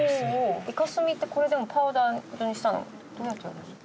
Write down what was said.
イカ墨ってこれでもパウダー状にしたのってどうやってやるんですか？